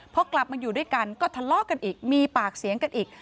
พอกลับมาอยู่ด้วยกันก็ทะเลาะกันอีกมีปากเสียงกันอีก